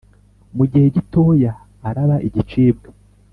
Mu gihe gitoya araba igicibwa